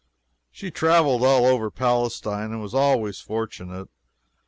She traveled all over Palestine, and was always fortunate.